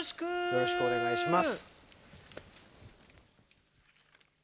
よろしくお願いします！